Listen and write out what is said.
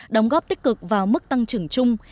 đồng góp tích cực vào mức tăng trưởng chung